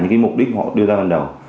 những cái mục đích họ đưa ra ban đầu